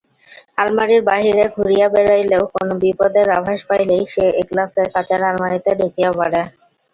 আলমারির বাহিরে ঘুরিয়া বেড়াইলেও কোন বিপদের আভাস পাইলেই সে একলাফে কাঁচের আলমারিতে ঢুকিয়া পড়ে।